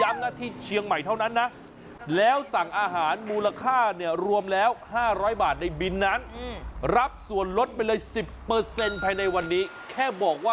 ร้านนี้มาจากรายการตลอดข้าว